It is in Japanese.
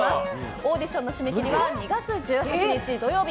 オーディションの締め切りは２月１８日土曜日。